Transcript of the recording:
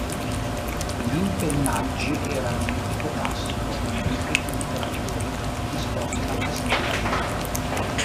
Gli impennaggi erano di tipo classico, con gli equilibratori disposti alla base della deriva.